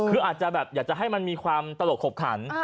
คืออาจจะแบบอยากจะให้มันมีความตลกขบขัน